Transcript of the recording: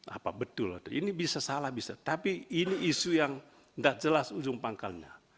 apa betul ini bisa salah bisa tapi ini isu yang tidak jelas ujung pangkalnya